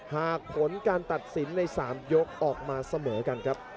หากผลการตัดสินใน๓ยกออกมาเสมอกันครับ